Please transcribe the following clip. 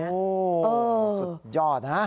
โอ้สุดยอดนะ